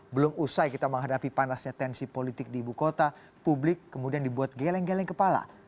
belum usai kita menghadapi panasnya tensi politik di ibu kota publik kemudian dibuat geleng geleng kepala